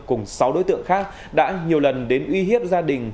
cùng sáu đối tượng khác đã nhiều lần đến uy hiếp gia đình